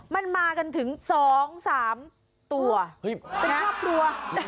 มันมากันถึง๒๓ตัวเป็นครอบครัว